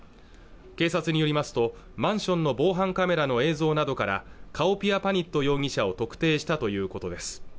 警察によりますとマンションの防犯カメラの映像などからカオピアパニット容疑者を特定したということです